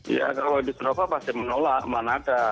ya kalau industri rokok pasti menolak mana ada